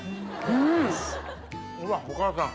うわお母さん。